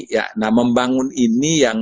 ya nah membangun ini yang